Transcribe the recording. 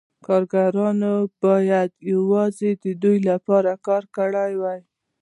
کارګرانو باید یوازې د دوی لپاره کار کړی وای